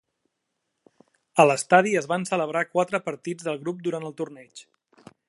A l"estadi es van celebrar quatre partits del grup durant el torneig.